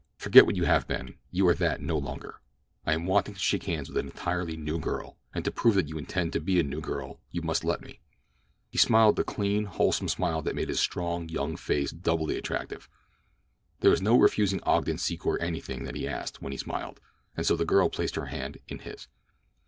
"Forget what you have been—you are that no longer. I am wanting to shake hands with an entirely new girl, and to prove that you intend to be a new girl you must let me." He smiled the clean, wholesome smile that made his strong young face doubly attractive. There was no refusing Ogden Secor anything that he asked when he smiled, and so the girl placed her hand in his.